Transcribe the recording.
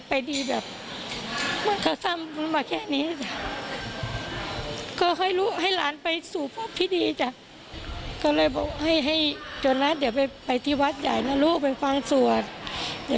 ไปที่วัดใหญ่นะลูกไปฟังสวรรค์